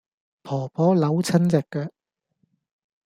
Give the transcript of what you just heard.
婆婆扭親隻腳